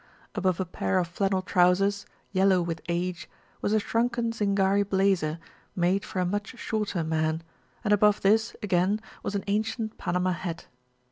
Above a pair of flannel trousers, yellow with age, was a shrunken Zingari blazer made for a much shorter man, and above this again was an ancient Panama hat.